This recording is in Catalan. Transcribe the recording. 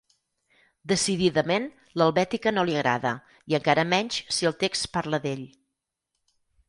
Decididament, l'helvètica no li agrada, i encara menys si el text parla d'ell.